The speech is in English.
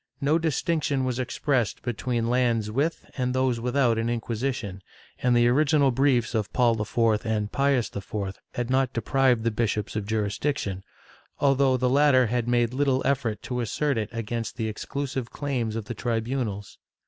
No distinction was expressed between lands with and those without an Inquisition, and the original briefs of Paul IV and Pius IV had not deprived the bishops of jurisdiction, although the latter had made little effort to assert it against the exclusive claims of the tribimals.